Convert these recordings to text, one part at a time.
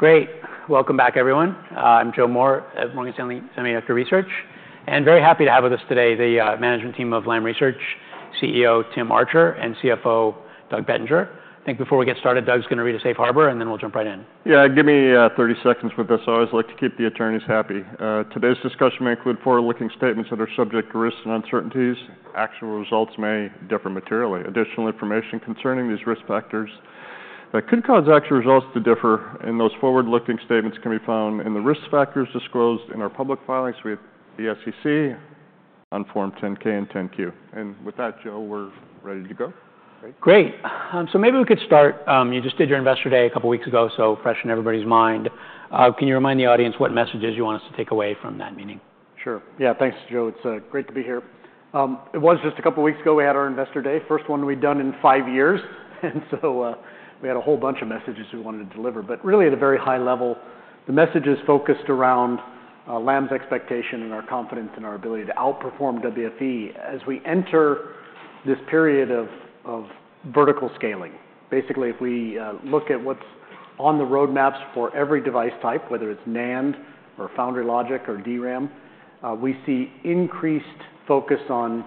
Great. Welcome back, everyone. I'm Joe Moore at Morgan Stanley Semiconductor Research and very happy to have with us today the management team of Lam Research, CEO Tim Archer, and CFO Doug Bettinger. I think before we get started, Doug's going to read a safe harbor, and then we'll jump right in. Yeah, give me 30 seconds with this. I always like to keep the attorneys happy. Today's discussion may include forward-looking statements that are subject to risks and uncertainties. Actual results may differ materially. Additional information concerning these risk factors that could cause actual results to differ, and those forward-looking statements can be found in the risk factors disclosed in our public filings with the SEC on Form 10-K and 10-Q, and with that, Joe, we're ready to go. Great. So maybe we could start. You just did your Investor Day a couple of weeks ago, so fresh in everybody's mind. Can you remind the audience what messages you want us to take away from that meeting? Sure. Yeah, thanks, Joe. It's great to be here. It was just a couple of weeks ago we had our Investor Day. First one we'd done in five years. And so we had a whole bunch of messages we wanted to deliver. But really, at a very high level, the message is focused around Lam's expectation and our confidence in our ability to outperform WFE as we enter this period of vertical scaling. Basically, if we look at what's on the roadmaps for every device type, whether it's NAND or Foundry Logic or DRAM, we see increased focus on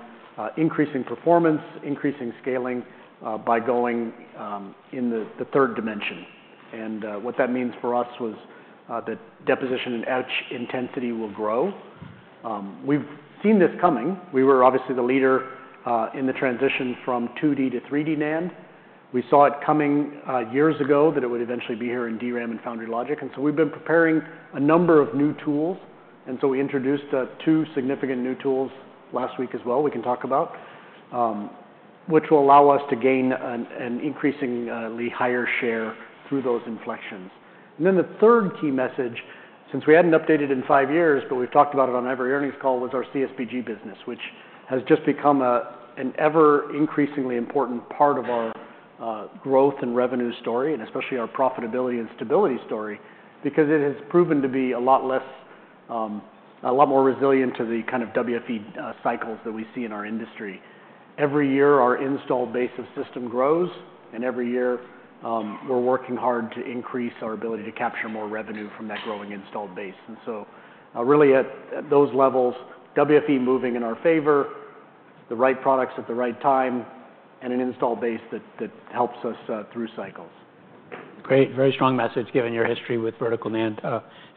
increasing performance, increasing scaling by going in the third dimension. And what that means for us was that deposition and etch intensity will grow. We've seen this coming. We were obviously the leader in the transition from 2D to 3D NAND. We saw it coming years ago that it would eventually be here in DRAM and Foundry Logic. And so we've been preparing a number of new tools. And so we introduced two significant new tools last week, as well, we can talk about, which will allow us to gain an increasingly higher share through those inflections. And then the third key message, since we hadn't updated in five years, but we've talked about it on every earnings call, was our CSBG business, which has just become an ever-increasingly important part of our growth and revenue story, and especially our profitability and stability story, because it has proven to be a lot more resilient to the kind of WFE cycles that we see in our industry. Every year, our installed base of system grows, and every year, we're working hard to increase our ability to capture more revenue from that growing installed base, and so really, at those levels, WFE moving in our favor, the right products at the right time, and an installed base that helps us through cycles. Great. Very strong message given your history with vertical NAND,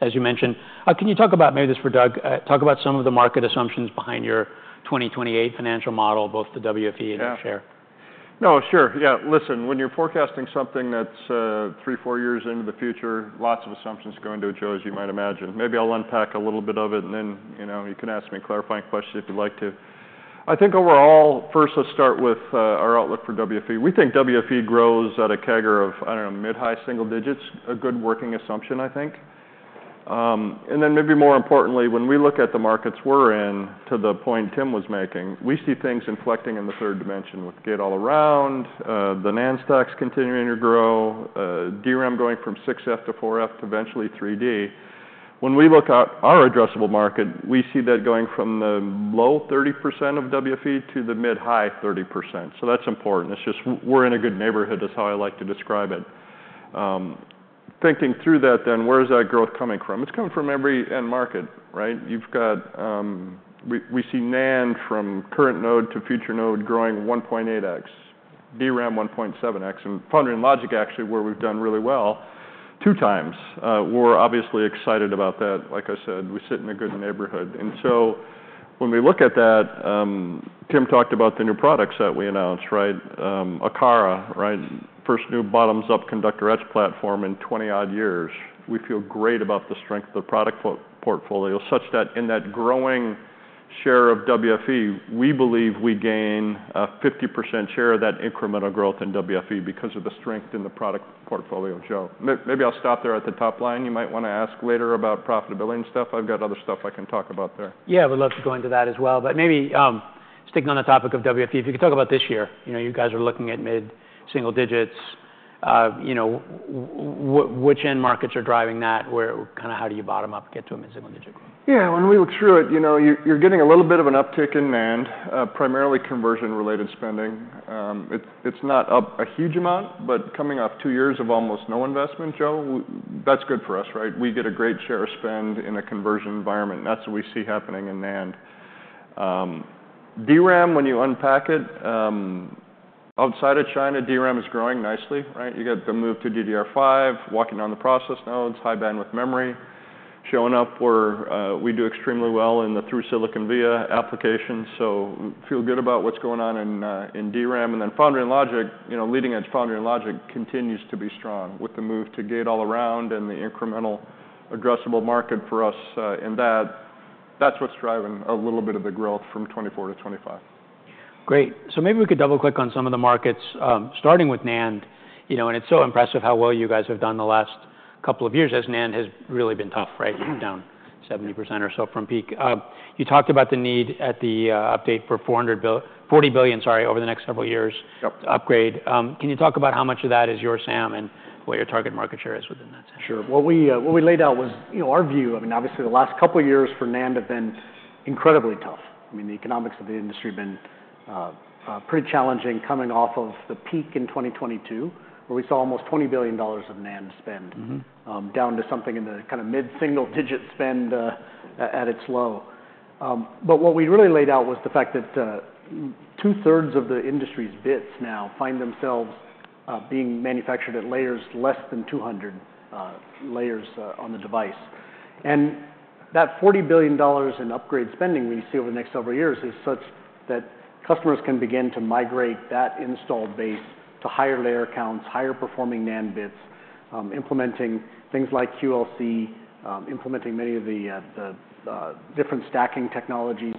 as you mentioned. Can you talk about, maybe this is for Doug, talk about some of the market assumptions behind your 2028 financial model, both the WFE and your share? No, sure. Yeah, listen, when you're forecasting something that's three, four years into the future, lots of assumptions go into it, Joe, as you might imagine. Maybe I'll unpack a little bit of it, and then you can ask me clarifying questions if you'd like to. I think overall, first, let's start with our outlook for WFE. We think WFE grows at a CAGR of, I don't know, mid-high single digits, a good working assumption, I think. And then maybe more importantly, when we look at the markets we're in, to the point Tim was making, we see things inflecting in the third dimension with Gate-All-Around, the NAND stacks continuing to grow, DRAM going from 6F to 4F to eventually 3D. When we look at our addressable market, we see that going from the low 30% of WFE to the mid-high 30%. So that's important. It's just we're in a good neighborhood, is how I like to describe it. Thinking through that, then, where is that growth coming from? It's coming from every end market, right? We see NAND from current node to future node growing 1.8x, DRAM 1.7x, and Foundry and Logic, actually, where we've done really well, two times. We're obviously excited about that. Like I said, we sit in a good neighborhood. So when we look at that, Tim talked about the new products that we announced, right? Akaris, right? First new bottoms-up conductor etch platform in 20-odd years. We feel great about the strength of the product portfolio, such that in that growing share of WFE, we believe we gain a 50% share of that incremental growth in WFE because of the strength in the product portfolio, Joe. Maybe I'll stop there at the top line. You might want to ask later about profitability and stuff. I've got other stuff I can talk about there. Yeah, I would love to go into that as well. But maybe sticking on the topic of WFE, if you could talk about this year? You guys are looking at mid-single digits. Which end markets are driving that? Kind of how do you bottom up, get to a mid-single digit? Yeah, when we look through it, you're getting a little bit of an uptick in NAND, primarily conversion-related spending. It's not up a huge amount, but coming off two years of almost no investment, Joe, that's good for us, right? We get a great share of spend in a conversion environment. And that's what we see happening in NAND. DRAM, when you unpack it, outside of China, DRAM is growing nicely, right? You get the move to DDR5, walking on the process nodes, high bandwidth memory, showing up where we do extremely well in the through-silicon via applications. So feel good about what's going on in DRAM. And then foundry and logic, leading edge foundry and logic continues to be strong with the move to Gate-All-Around and the incremental addressable market for us in that. That's what's driving a little bit of the growth from 2024 to 2025. Great, so maybe we could double-click on some of the markets, starting with NAND, and it's so impressive how well you guys have done the last couple of years, as NAND has really been tough, right? Down 70% or so from peak. You talked about the need at the update for $40 billion, sorry, over the next several years to upgrade. Can you talk about how much of that is your SAM and what your target market share is within that SAM? Sure. What we laid out was our view. I mean, obviously, the last couple of years for NAND have been incredibly tough. I mean, the economics of the industry have been pretty challenging coming off of the peak in 2022, where we saw almost $20 billion of NAND spend down to something in the kind of mid-single digit spend at its low. But what we really laid out was the fact that two-thirds of the industry's bits now find themselves being manufactured at layers less than 200 layers on the device. That $40 billion in upgrade spending we see over the next several years is such that customers can begin to migrate that installed base to higher layer counts, higher performing NAND bits, implementing things like QLC, implementing many of the different stacking technologies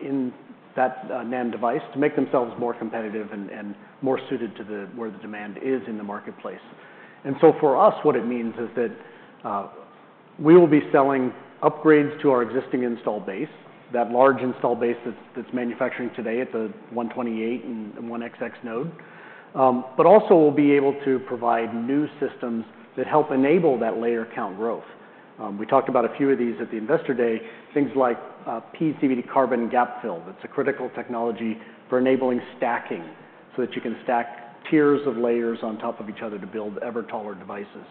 in that NAND device to make themselves more competitive and more suited to where the demand is in the marketplace. And so for us, what it means is that we will be selling upgrades to our existing installed base, that large installed base that's manufacturing today at the 128 and 1XX node. But also, we'll be able to provide new systems that help enable that layer count growth. We talked about a few of these at the Investor Day, things like PECVD carbon gap fill. That's a critical technology for enabling stacking so that you can stack tiers of layers on top of each other to build ever taller devices.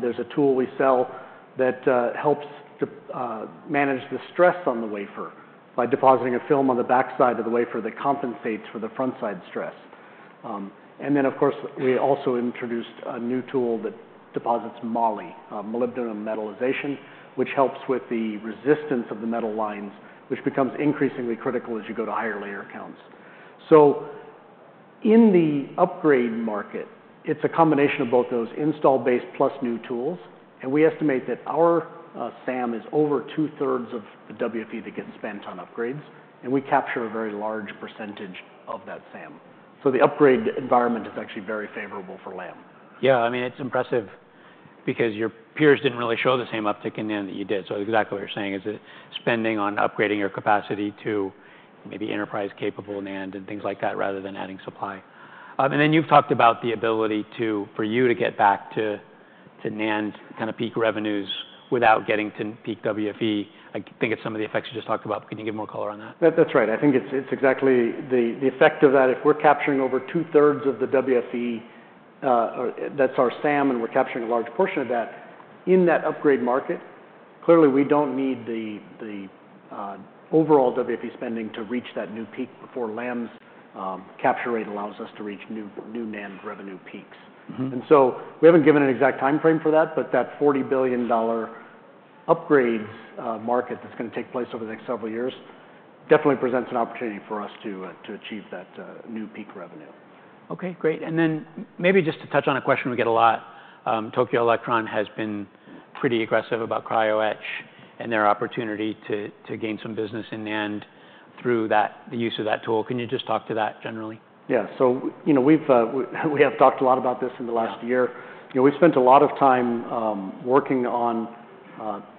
There's a tool we sell that helps to manage the stress on the wafer by depositing a film on the backside of the wafer that compensates for the front-side stress. And then, of course, we also introduced a new tool that deposits moly, molybdenum metallization, which helps with the resistance of the metal lines, which becomes increasingly critical as you go to higher layer counts. So in the upgrade market, it's a combination of both those installed base plus new tools. And we estimate that our SAM is over two-thirds of the WFE that gets spent on upgrades. And we capture a very large percentage of that SAM. So the upgrade environment is actually very favorable for Lam. Yeah, I mean, it's impressive because your peers didn't really show the same uptick in NAND that you did. So exactly what you're saying is spending on upgrading your capacity to maybe enterprise-capable NAND and things like that rather than adding supply. And then you've talked about the ability for you to get back to NAND kind of peak revenues without getting to peak WFE. I think it's some of the effects you just talked about. Can you give more color on that? That's right. I think it's exactly the effect of that. If we're capturing over two-thirds of the WFE, that's our SAM, and we're capturing a large portion of that. In that upgrade market, clearly, we don't need the overall WFE spending to reach that new peak before Lam's capture rate allows us to reach new NAND revenue peaks. And so we haven't given an exact time frame for that, but that $40 billion upgrades market that's going to take place over the next several years definitely presents an opportunity for us to achieve that new peak revenue. Okay, great. And then maybe just to touch on a question we get a lot. Tokyo Electron has been pretty aggressive about cryo etch and their opportunity to gain some business in NAND through the use of that tool. Can you just talk to that generally? Yeah, so we have talked a lot about this in the last year. We've spent a lot of time working on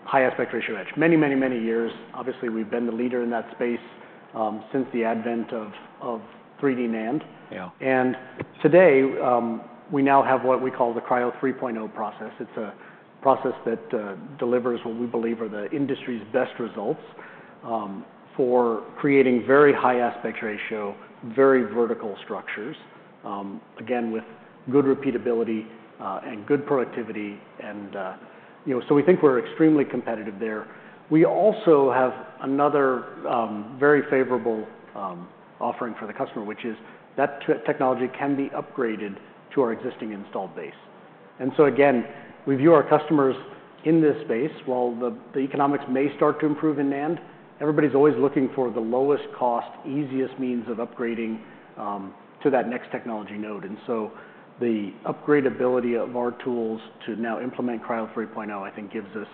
high aspect ratio etch many, many, many years. Obviously, we've been the leader in that space since the advent of 3D NAND. And today, we now have what we call the Cryo 3.0 process. It's a process that delivers what we believe are the industry's best results for creating very high aspect ratio, very vertical structures, again, with good repeatability and good productivity. And so we think we're extremely competitive there. We also have another very favorable offering for the customer, which is that technology can be upgraded to our existing installed base. And so again, we view our customers in this space. While the economics may start to improve in NAND, everybody's always looking for the lowest cost, easiest means of upgrading to that next technology node. And so the upgradability of our tools to now implement Cryo 3.0, I think, gives us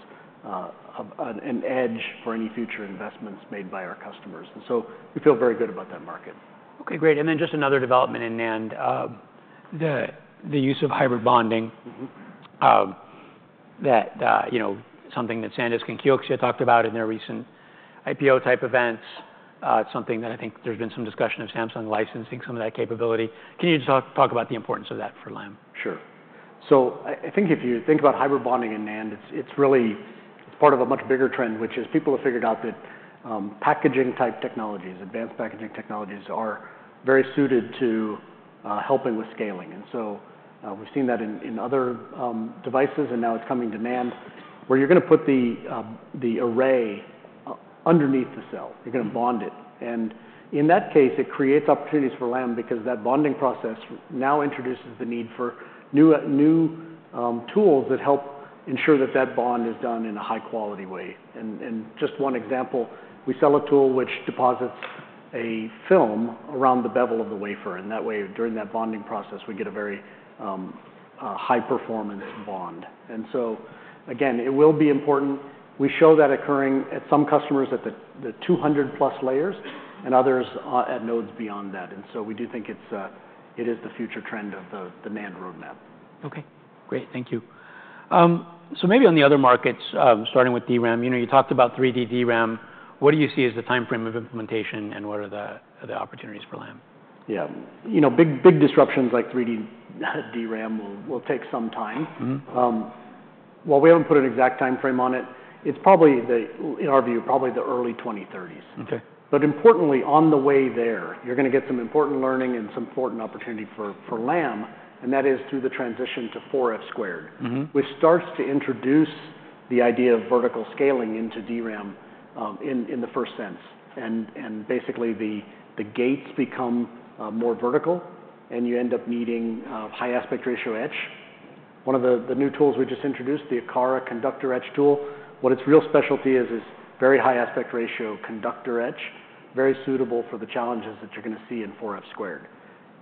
an edge for any future investments made by our customers. And so we feel very good about that market. Okay, great. And then just another development in NAND, the use of hybrid bonding, something that SanDisk and Kioxia talked about in their recent IPO-type events. It's something that I think there's been some discussion of Samsung licensing some of that capability. Can you just talk about the importance of that for Lam? Sure. So I think if you think about hybrid bonding in NAND, it's part of a much bigger trend, which is people have figured out that packaging-type technologies, advanced packaging technologies, are very suited to helping with scaling. And so we've seen that in other devices, and now it's coming to NAND, where you're going to put the array underneath the cell. You're going to bond it. And in that case, it creates opportunities for Lam because that bonding process now introduces the need for new tools that help ensure that that bond is done in a high-quality way. And just one example, we sell a tool which deposits a film around the bevel of the wafer. And that way, during that bonding process, we get a very high-performance bond. And so again, it will be important. We show that occurring at some customers at the 200-plus layers and others at nodes beyond that. And so we do think it is the future trend of the NAND roadmap. Okay, great. Thank you. So maybe on the other markets, starting with DRAM, you talked about 3D DRAM. What do you see as the time frame of implementation, and what are the opportunities for Lam? Yeah, big disruptions like 3D DRAM will take some time. While we haven't put an exact time frame on it, it's probably, in our view, probably the early 2030s. But importantly, on the way there, you're going to get some important learning and some important opportunity for Lam, and that is through the transition to 4F squared, which starts to introduce the idea of vertical scaling into DRAM in the first sense. And basically, the gates become more vertical, and you end up needing high aspect ratio etch. One of the new tools we just introduced, the Akaris, conductor etch tool, what its real specialty is, is very high aspect ratio conductor etch, very suitable for the challenges that you're going to see in 4F squared.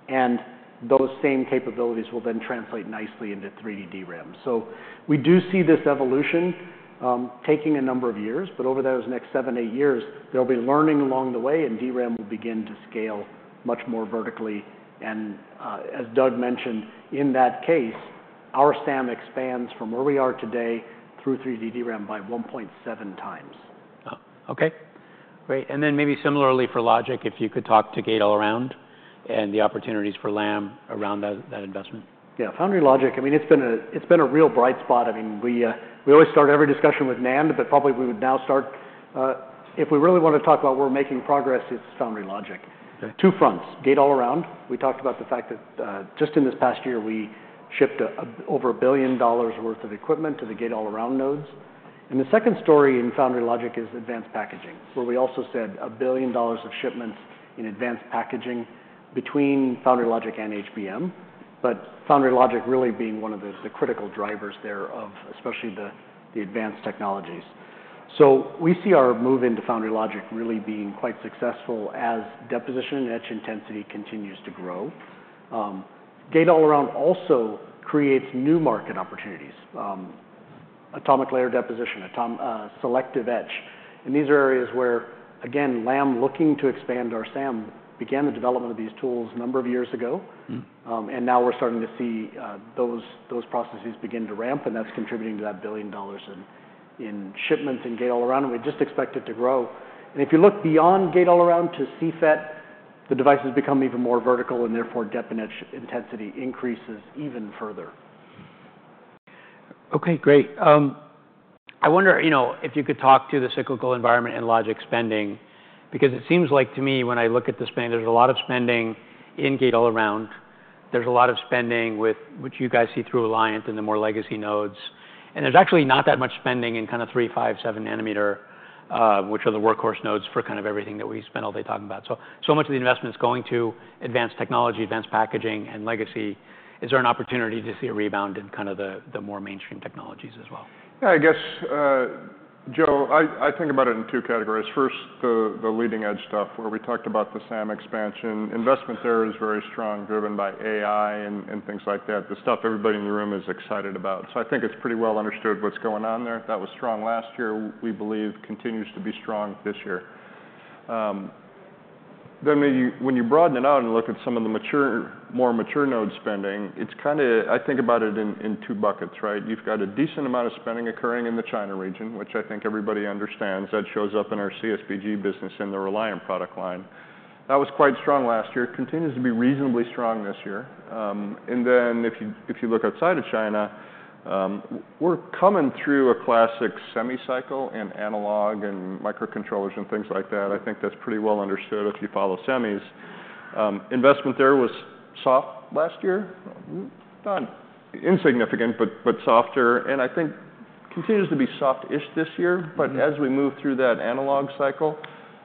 And those same capabilities will then translate nicely into 3D DRAM. So we do see this evolution taking a number of years. But over those next seven, eight years, there will be learning along the way, and DRAM will begin to scale much more vertically. And as Doug mentioned, in that case, our SAM expands from where we are today through 3D DRAM by 1.7 times. Okay, great. And then maybe similarly for Logic, if you could talk to Gate-All-Around and the opportunities for Lam around that investment. Yeah, Foundry Logic, I mean, it's been a real bright spot. I mean, we always start every discussion with NAND, but probably we would now start, if we really want to talk about where we're making progress, it's Foundry Logic. Two fronts, Gate-All-Around. We talked about the fact that just in this past year, we shipped over $1 billion worth of equipment to the Gate-All-Around nodes. And the second story in Foundry Logic is Advanced Packaging, where we also said $1 billion of shipments in Advanced Packaging between Foundry Logic and HBM, but Foundry Logic really being one of the critical drivers there of especially the advanced technologies. So we see our move into Foundry Logic really being quite successful as Deposition and Etch intensity continues to grow. Gate-All-Around also creates new market opportunities, Atomic Layer Deposition, Selective Etch. These are areas where, again, Lam looking to expand our SAM began the development of these tools a number of years ago. Now we're starting to see those processes begin to ramp, and that's contributing to that $1 billion in shipments in Gate-All-Around. We just expect it to grow. If you look beyond Gate-All-Around to CFET, the devices become even more vertical, and therefore, depth and etch intensity increases even further. Okay, great. I wonder if you could talk to the cyclical environment in Logic spending, because it seems like to me, when I look at the spending, there's a lot of spending in Gate-All-Around. There's a lot of spending with what you guys see through Reliant and the more legacy nodes. And there's actually not that much spending in kind of 3-, 5-, 7-nanometer, which are the workhorse nodes for kind of everything that we spend all day talking about. So much of the investment is going to advanced technology, advanced packaging, and legacy. Is there an opportunity to see a rebound in kind of the more mainstream technologies as well? Yeah, I guess, Joe, I think about it in two categories. First, the leading edge stuff, where we talked about the SAM expansion. Investment there is very strong, driven by AI and things like that, the stuff everybody in the room is excited about. So I think it's pretty well understood what's going on there. That was strong last year, we believe, continues to be strong this year. Then when you broaden it out and look at some of the more mature node spending, it's kind of, I think about it in two buckets, right? You've got a decent amount of spending occurring in the China region, which I think everybody understands. That shows up in our CSBG business and the Reliant product line. That was quite strong last year, continues to be reasonably strong this year. And then if you look outside of China, we're coming through a classic semi-cycle and analog and microcontrollers and things like that. I think that's pretty well understood if you follow semis. Investment there was soft last year, not insignificant, but softer. And I think continues to be soft-ish this year. But as we move through that analog cycle,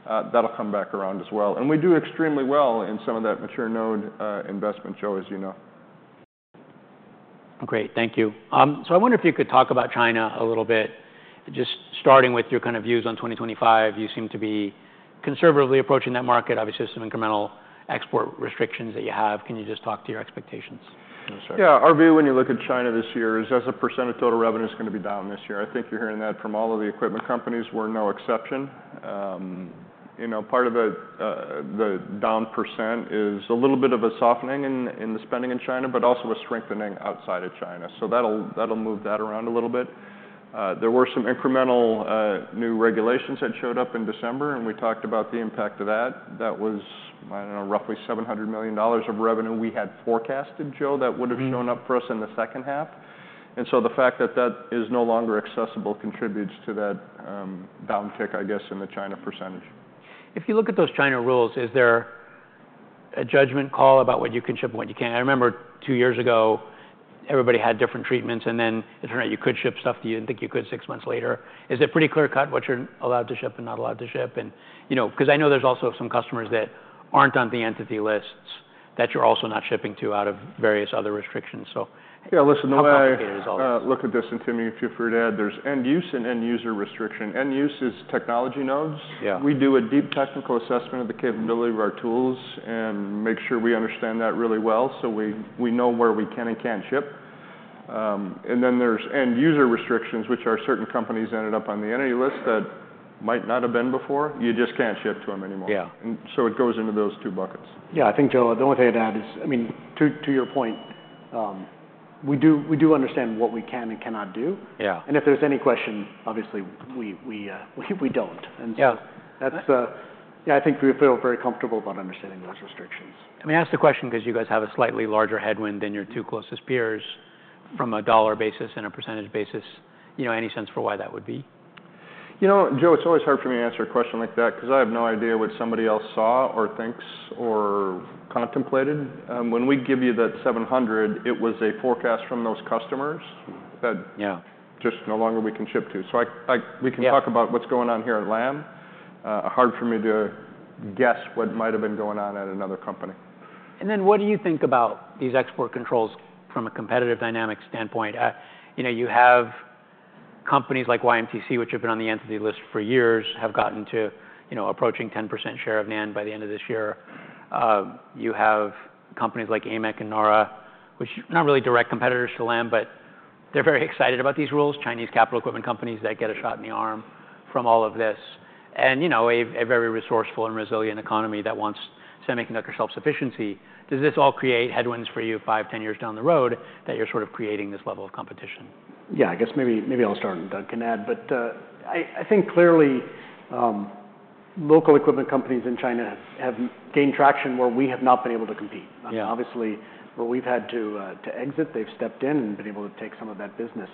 that'll come back around as well. And we do extremely well in some of that mature node investment, Joe, as you know. Great, thank you. I wonder if you could talk about China a little bit, just starting with your kind of views on 2025. You seem to be conservatively approaching that market. Obviously, there's some incremental export restrictions that you have. Can you just talk to your expectations? Yeah, our view when you look at China this year is that the % of total revenue is going to be down this year. I think you're hearing that from all of the equipment companies. We're no exception. Part of the down % is a little bit of a softening in the spending in China, but also a strengthening outside of China. That'll move that around a little bit. There were some incremental new regulations that showed up in December, and we talked about the impact of that. That was, I don't know, roughly $700 million of revenue we had forecasted, Joe, that would have shown up for us in the second half. The fact that that is no longer accessible contributes to that down tick, I guess, in the China %. If you look at those China rules, is there a judgment call about what you can ship and what you can't? I remember two years ago, everybody had different treatments, and then it turned out you could ship stuff that you didn't think you could six months later. Is it pretty clear-cut what you're allowed to ship and not allowed to ship? Because I know there's also some customers that aren't on the entity lists that you're also not shipping to out of various other restrictions. Yeah, listen, the way I look at this, and Tim, if you're afraid to add, there's end use and end user restriction. End use is technology nodes. We do a deep technical assessment of the capability of our tools and make sure we understand that really well so we know where we can and can't ship. There are end user restrictions, which are certain companies ended up on the entity list that might not have been before. You just can't ship to them anymore. It goes into those two buckets. Yeah, I think, Joe, the only thing I'd add is, I mean, to your point, we do understand what we can and cannot do. If there's any question, obviously, we don't. Yeah, I think we feel very comfortable about understanding those restrictions. Let me ask the question because you guys have a slightly larger headwind than your two closest peers from a dollar basis and a percentage basis. Any sense for why that would be? You know, Joe, it's always hard for me to answer a question like that because I have no idea what somebody else saw or thinks or contemplated. When we give you that 700, it was a forecast from those customers that just no longer we can ship to. You can talk about what's going on here at Lam. Hard for me to guess what might have been going on at another company. What do you think about these export controls from a competitive dynamic standpoint? You have companies like YMTC, which have been on the entity list for years, have gotten to approaching 10% share of NAND by the end of this year. You have companies like AMEC and Naura, which are not really direct competitors to Lam, but they are very excited about these rules, Chinese capital equipment companies that get a shot in the arm from all of this, and a very resourceful and resilient economy that wants semiconductor self-sufficiency. Does this all create headwinds for you 5, 10 years down the road that you are sort of creating this level of competition? Yeah, I guess maybe I'll start and Doug can add. I think clearly local equipment companies in China have gained traction where we have not been able to compete. Obviously, where we've had to exit, they've stepped in and been able to take some of that business.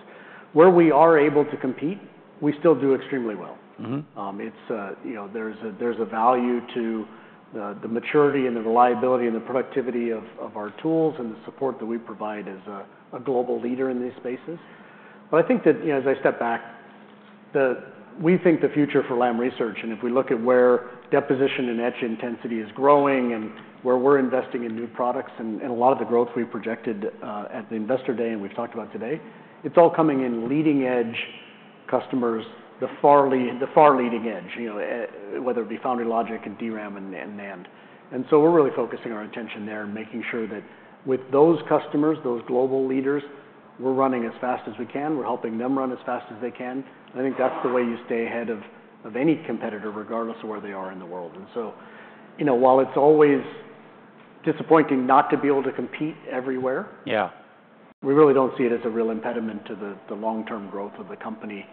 Where we are able to compete, we still do extremely well. There's a value to the maturity and the reliability and the productivity of our tools and the support that we provide as a global leader in these spaces. I think that as I step back, we think the future for Lam Research, and if we look at where deposition and etch intensity is growing and where we're investing in new products and a lot of the growth we projected at the investor day and we've talked about today, it's all coming in leading edge customers, the far leading edge, whether it be Foundry Logic and DRAM and NAND. We are really focusing our attention there and making sure that with those customers, those global leaders, we're running as fast as we can. We're helping them run as fast as they can. I think that's the way you stay ahead of any competitor, regardless of where they are in the world. While it's always disappointing not to be able to compete everywhere, we really don't see it as a real impediment to the long-term growth of the company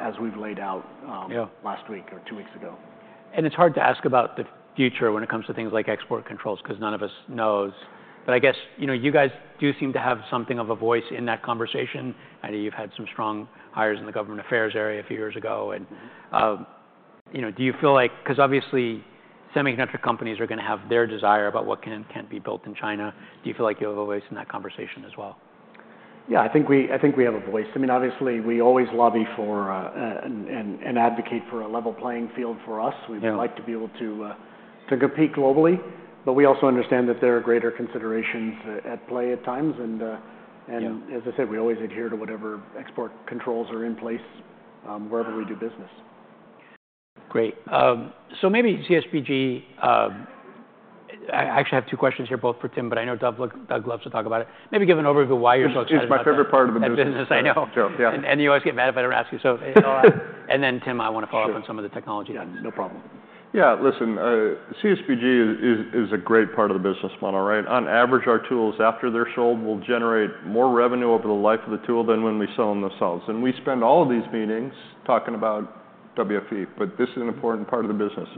as we've laid out last week or two weeks ago. It's hard to ask about the future when it comes to things like export controls because none of us knows. I guess you guys do seem to have something of a voice in that conversation. I know you've had some strong hires in the government affairs area a few years ago. Do you feel like, because obviously semiconductor companies are going to have their desire about what can and can't be built in China, do you feel like you have a voice in that conversation as well? Yeah, I think we have a voice. I mean, obviously, we always lobby for and advocate for a level playing field for us. We would like to be able to compete globally, but we also understand that there are greater considerations at play at times. As I said, we always adhere to whatever export controls are in place wherever we do business. Great. Maybe CSBG, I actually have two questions here, both for Tim, but I know Doug loves to talk about it. Maybe give an overview of why you're so excited about it. It's my favorite part of the business. Business, I know. You always get mad if I don't ask you. Tim, I want to follow up on some of the technology that. No problem. Yeah, listen, CSBG is a great part of the business model, right? On average, our tools, after they're sold, will generate more revenue over the life of the tool than when we sell them themselves. We spend all of these meetings talking about WFE, but this is an important part of the business.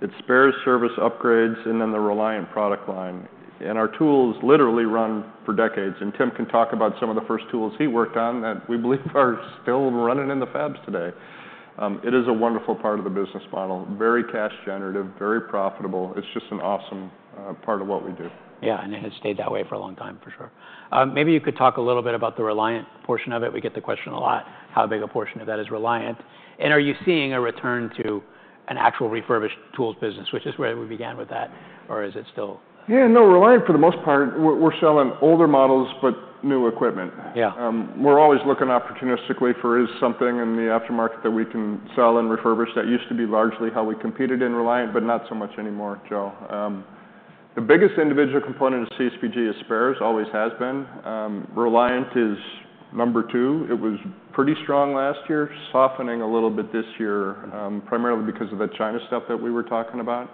It's spare service upgrades and then the Reliant product line. Our tools literally run for decades. Tim can talk about some of the first tools he worked on that we believe are still running in the fabs today. It is a wonderful part of the business model, very cash generative, very profitable. It's just an awesome part of what we do. Yeah, and it has stayed that way for a long time, for sure. Maybe you could talk a little bit about the Reliant portion of it. We get the question a lot, how big a portion of that is Reliant. Are you seeing a return to an actual refurbished tools business, which is where we began with that, or is it still? Yeah, no, Reliant for the most part, we're selling older models, but new equipment. We're always looking opportunistically for something in the aftermarket that we can sell and refurbish. That used to be largely how we competed in Reliant, but not so much anymore, Joe. The biggest individual component of CSBG is spares, always has been. Reliant is number two. It was pretty strong last year, softening a little bit this year, primarily because of the China stuff that we were talking about.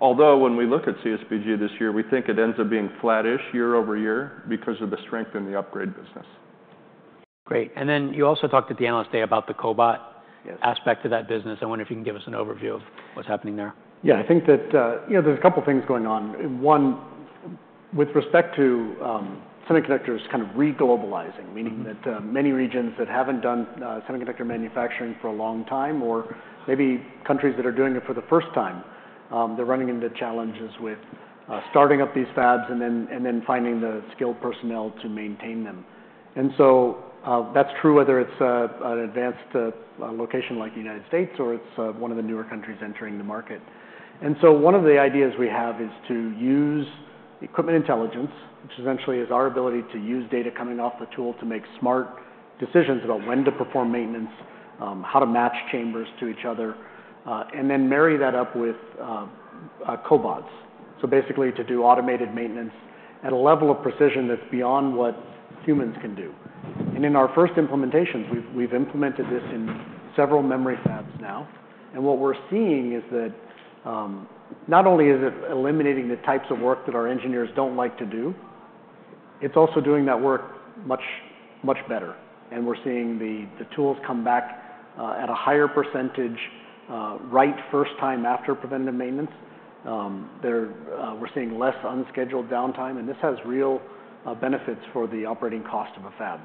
Although when we look at CSBG this year, we think it ends up being flattish year over year because of the strength in the upgrade business. Great. You also talked at the analyst day about the cobot aspect of that business. I wonder if you can give us an overview of what's happening there. Yeah, I think that there's a couple of things going on. One, with respect to semiconductors kind of re-globalizing, meaning that many regions that haven't done semiconductor manufacturing for a long time, or maybe countries that are doing it for the first time, they're running into challenges with starting up these fabs and then finding the skilled personnel to maintain them. That's true whether it's an advanced location like the United States or it's one of the newer countries entering the market. One of the ideas we have is to use equipment intelligence, which essentially is our ability to use data coming off the tool to make smart decisions about when to perform maintenance, how to match chambers to each other, and then marry that up with cobots. Basically to do automated maintenance at a level of precision that's beyond what humans can do. In our first implementations, we've implemented this in several memory fabs now. What we're seeing is that not only is it eliminating the types of work that our engineers don't like to do, it's also doing that work much, much better. We're seeing the tools come back at a higher percentage right first time after preventative maintenance. We're seeing less unscheduled downtime, and this has real benefits for the operating cost of a fab.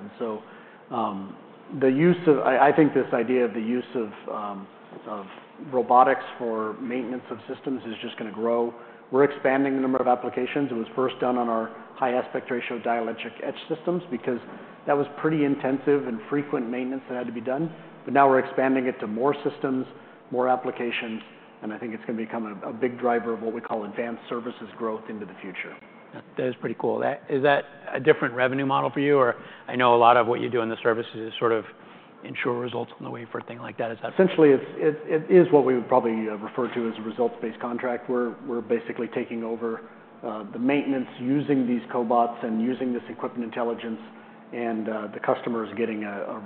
The use of, I think this idea of the use of robotics for maintenance of systems is just going to grow. We're expanding the number of applications. It was first done on our high aspect ratio dielectric etch systems because that was pretty intensive and frequent maintenance that had to be done. Now we're expanding it to more systems, more applications, and I think it's going to become a big driver of what we call advanced services growth into the future. That is pretty cool. Is that a different revenue model for you? Or I know a lot of what you do in the services is sort of ensure results on the way for a thing like that. Is that? Essentially, it is what we would probably refer to as a results-based contract. We're basically taking over the maintenance using these cobots and using this equipment intelligence, and the customer is getting a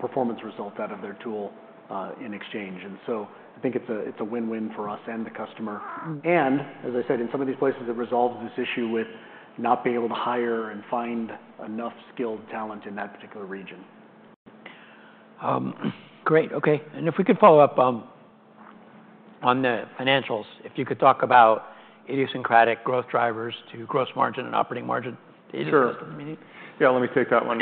performance result out of their tool in exchange. I think it's a win-win for us and the customer. As I said, in some of these places, it resolves this issue with not being able to hire and find enough skilled talent in that particular region. Great. Okay. If we could follow up on the financials, if you could talk about idiosyncratic growth drivers to gross margin and operating margin. Sure. Yeah, let me take that one.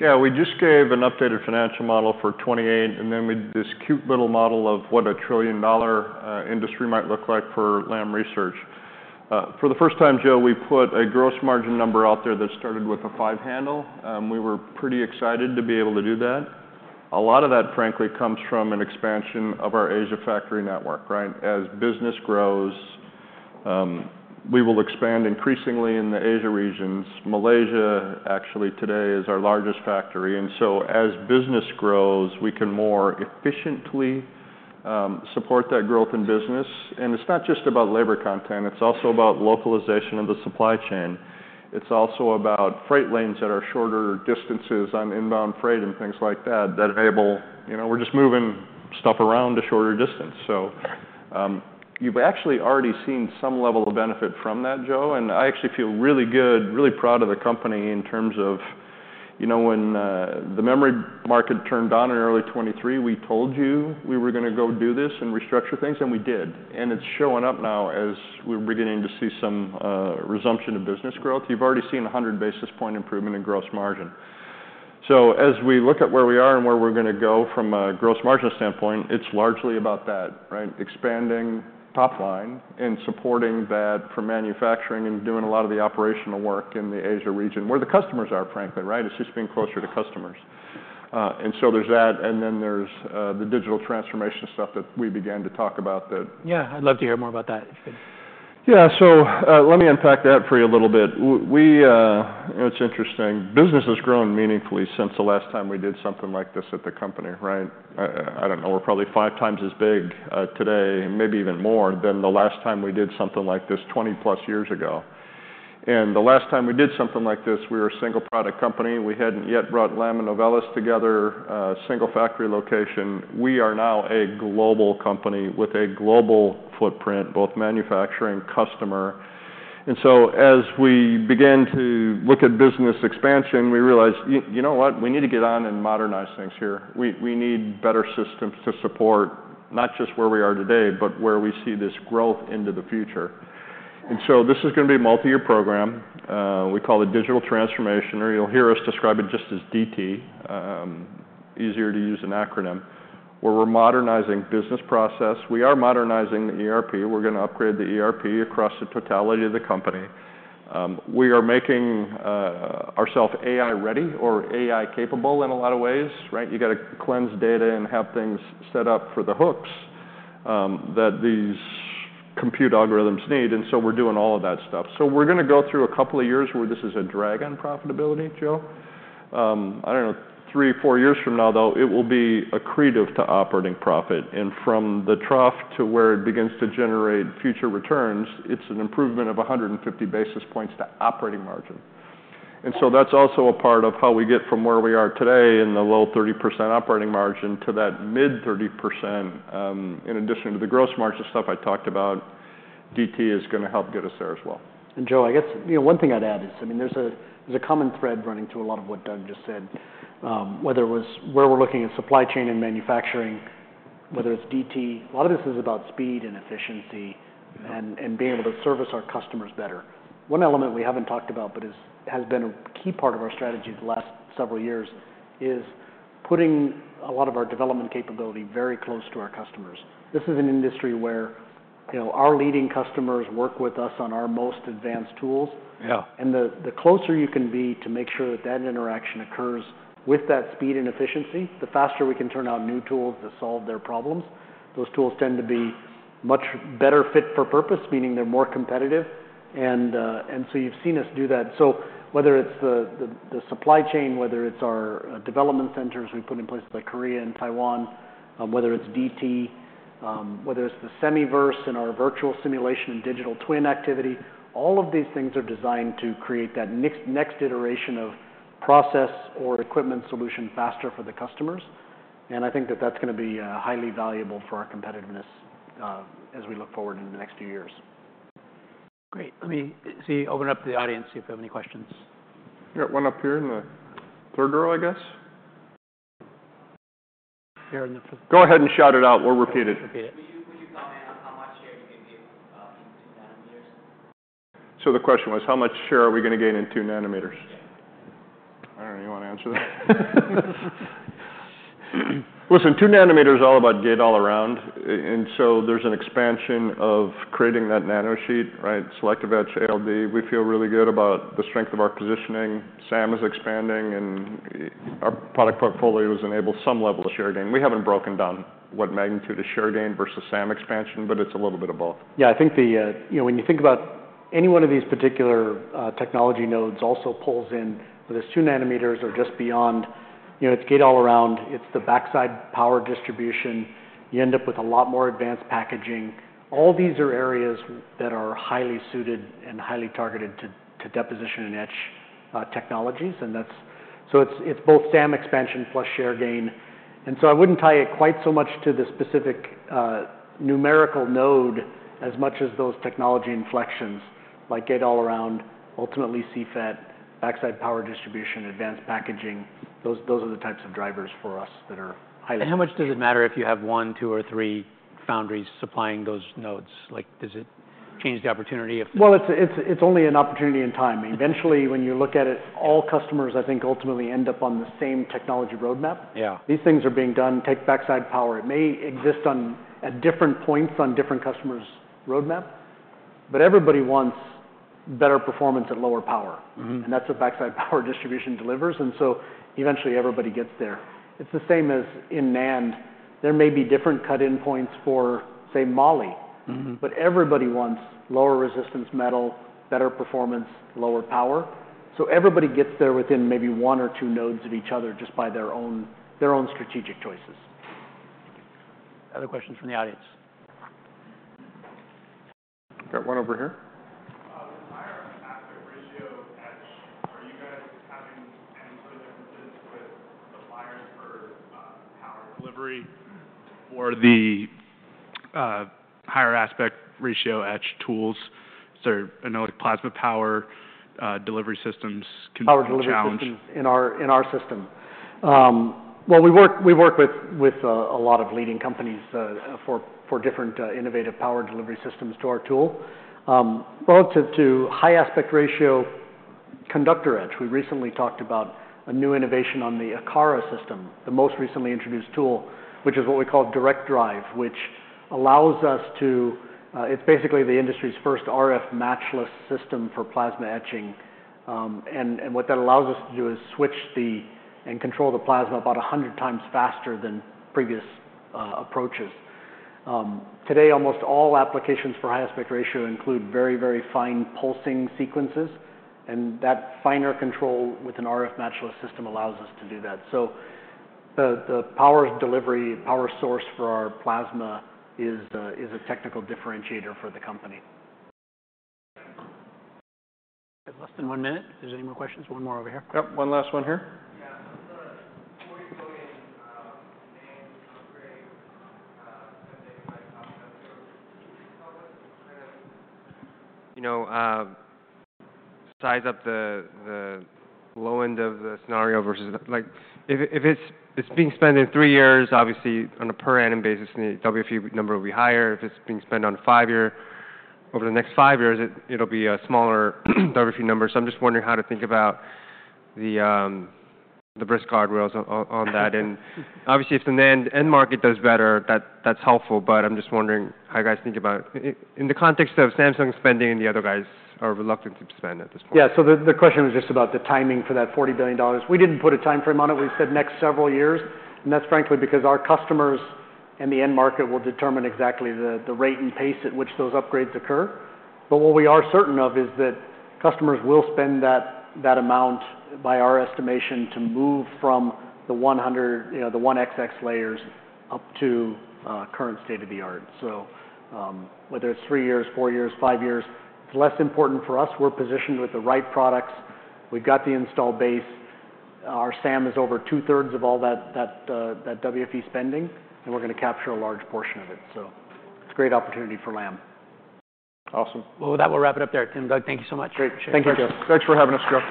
Yeah, we just gave an updated financial model for 2028, and then we did this cute little model of what a trillion-dollar industry might look like for Lam Research. For the first time, Joe, we put a gross margin number out there that started with a five handle. We were pretty excited to be able to do that. A lot of that, frankly, comes from an expansion of our Asia factory network, right? As business grows, we will expand increasingly in the Asia regions. Malaysia, actually, today is our largest factory. As business grows, we can more efficiently support that growth in business. It is not just about labor content. It is also about localization of the supply chain. It's also about freight lanes that are shorter distances on inbound freight and things like that that enable, you know, we're just moving stuff around a shorter distance. You've actually already seen some level of benefit from that, Joe. I actually feel really good, really proud of the company in terms of, you know, when the memory market turned on in early 2023, we told you we were going to go do this and restructure things, and we did. It's showing up now as we're beginning to see some resumption of business growth. You've already seen a hundred basis point improvement in gross margin. As we look at where we are and where we're going to go from a gross margin standpoint, it's largely about that, right? Expanding top line and supporting that for manufacturing and doing a lot of the operational work in the Asia region where the customers are, frankly, right? It is just being closer to customers. There is that, and then there is the digital transformation stuff that we began to talk about that. Yeah, I'd love to hear more about that. Yeah, let me unpack that for you a little bit. It's interesting. Business has grown meaningfully since the last time we did something like this at the company, right? I don't know, we're probably five times as big today, maybe even more than the last time we did something like this 20 plus years ago. The last time we did something like this, we were a single product company. We hadn't yet brought Lam and Novellus together, single factory location. We are now a global company with a global footprint, both manufacturing, customer. As we began to look at business expansion, we realized, you know what, we need to get on and modernize things here. We need better systems to support not just where we are today, but where we see this growth into the future. This is going to be a multi-year program. We call it digital transformation, or you'll hear us describe it just as DT, easier to use an acronym, where we're modernizing business process. We are modernizing the ERP. We're going to upgrade the ERP across the totality of the company. We are making ourselves AI ready or AI capable in a lot of ways, right? You got to cleanse data and have things set up for the hooks that these compute algorithms need. We are doing all of that stuff. We are going to go through a couple of years where this is a drag on profitability, Joe. I don't know, three, four years from now, though, it will be accretive to operating profit. From the trough to where it begins to generate future returns, it's an improvement of 150 basis points to operating margin. That is also a part of how we get from where we are today in the low 30% operating margin to that mid 30%. In addition to the gross margin stuff I talked about, DT is going to help get us there as well. Joe, I guess one thing I'd add is, I mean, there's a common thread running to a lot of what Doug just said, whether it was where we're looking at supply chain and manufacturing, whether it's DT, a lot of this is about speed and efficiency and being able to service our customers better. One element we haven't talked about, but has been a key part of our strategy the last several years, is putting a lot of our development capability very close to our customers. This is an industry where our leading customers work with us on our most advanced tools. The closer you can be to make sure that that interaction occurs with that speed and efficiency, the faster we can turn out new tools to solve their problems. Those tools tend to be much better fit for purpose, meaning they're more competitive. You have seen us do that. Whether it is the supply chain, whether it is our development centers we put in place like Korea and Taiwan, whether it is DT, whether it is the Semiverse in our virtual simulation and digital twin activity, all of these things are designed to create that next iteration of process or equipment solution faster for the customers. I think that is going to be highly valuable for our competitiveness as we look forward in the next few years. Great. Let me see, open up the audience if you have any questions. You got one up here in the third row, I guess. Here in the first. Go ahead and shout it out. We'll repeat it. We'll repeat it. Would you comment on how much share you can give in two nanometers? The question was, how much share are we going to gain in two nanometers? I don't know. You want to answer that? Listen, two nanometers is all about gate all around. There is an expansion of creating that nanosheet, right? Selective etch ALD, we feel really good about the strength of our positioning. SAM is expanding, and our product portfolio has enabled some level of share gain. We haven't broken down what magnitude of share gain versus SAM expansion, but it's a little bit of both. Yeah, I think when you think about any one of these particular technology nodes also pulls in, whether it's two nanometers or just beyond, it's gate all around, it's the backside power distribution. You end up with a lot more advanced packaging. All these are areas that are highly suited and highly targeted to deposition and etch technologies. It is both SAM expansion plus share gain. I wouldn't tie it quite so much to the specific numerical node as much as those technology inflections like gate all around, ultimately CFET, backside power distribution, advanced packaging. Those are the types of drivers for us that are highly. How much does it matter if you have one, two, or three foundries supplying those nodes? Does it change the opportunity of? It's only an opportunity in time. Eventually, when you look at it, all customers, I think, ultimately end up on the same technology roadmap. These things are being done, take backside power. It may exist on different points on different customers' roadmap, but everybody wants better performance at lower power. That's what backside power distribution delivers. Eventually everybody gets there. It's the same as in NAND. There may be different cut-in points for, say, Moly, but everybody wants lower resistance metal, better performance, lower power. Everybody gets there within maybe one or two nodes of each other just by their own strategic choices. Other questions from the audience? Got one over here. With higher aspect ratio etch, are you guys having any sort of differences with the buyers for power delivery or the higher aspect ratio etch tools? I know like plasma power delivery systems can be a challenge. Power delivery systems in our system. We work with a lot of leading companies for different innovative power delivery systems to our tool. Relative to high aspect ratio conductor etch, we recently talked about a new innovation on the Akaris system, the most recently introduced tool, which is what we call Direct Drive, which allows us to, it's basically the industry's first RF matchless system for plasma etching. What that allows us to do is switch and control the plasma about 100 times faster than previous approaches. Today, almost all applications for high aspect ratio include very, very fine pulsing sequences. That finer control with an RF matchless system allows us to do that. The power delivery, power source for our plasma is a technical differentiator for the company. Less than one minute. If there's any more questions, one more over here. Yep, one last one here. Yeah, of the $40 billion NAND upgrade, spending by plasma network, what's kind of. You know, size up the low end of the scenario versus like if it's being spent in three years, obviously on a per annum basis, the WFE number will be higher. If it's being spent on a five year, over the next five years, it'll be a smaller WFE number. I'm just wondering how to think about the risk guardrails on that. Obviously, if the NAND end market does better, that's helpful, but I'm just wondering how you guys think about it in the context of Samsung spending and the other guys are reluctant to spend at this point. Yeah, so the question was just about the timing for that $40 billion. We did not put a timeframe on it. We said next several years. That is frankly because our customers and the end market will determine exactly the rate and pace at which those upgrades occur. What we are certain of is that customers will spend that amount by our estimation to move from the 100, you know, the 1XX layers up to current state of the art. Whether it is three years, four years, five years, it is less important for us. We are positioned with the right products. We have got the install base. Our SAM is over two-thirds of all that WFE spending, and we are going to capture a large portion of it. It is a great opportunity for Lam. Awesome. With that, we'll wrap it up there. Tim, Doug, thank you so much. Great. Thank you. Thanks for having us, Joe.